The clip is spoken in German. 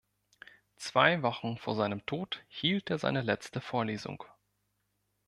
Zwei Wochen vor seinem Tod hielt er seine letzte Vorlesung.